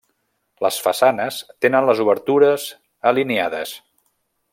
Les façanes tenen les obertures alineades.